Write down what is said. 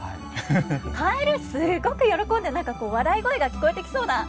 蛙すごく喜んで何か笑い声が聞こえてきそうな。